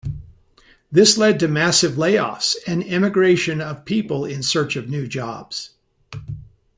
This led to massive layoffs, and emigration of people in search of new jobs.